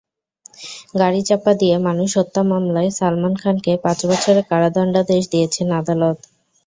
গাড়িচাপা দিয়ে মানুষ হত্যা মামলায় সালমান খানকে পাঁচ বছরের কারাদণ্ডাদেশ দিয়েছেন আদালত।